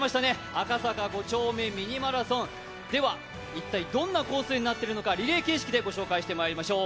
赤坂５丁目ミニマラソンでは一体どんなコースになっているのかリレー形式で紹介しましょう。